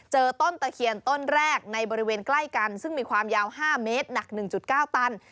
เจอต้นตะเคียนต้นแรกในบริเวณใกล้กันซึ่งมีความยาว๕เมตรหนัก๑๙ตัน